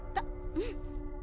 うん。